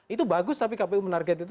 itu bagus tapi kpu menarget itu